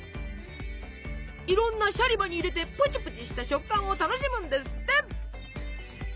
いろんなシャリバに入れてプチプチした食感を楽しむんですって。